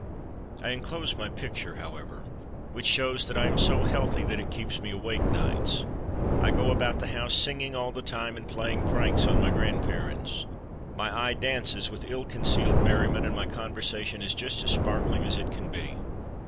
I inclose my picture, however, which shows that I am so healthy that it keeps me awake nights. I go about the house singing all the time and playing pranks on my grandparents. My eye dances with ill concealed merriment, and my conversation is just as sparkling as it can be.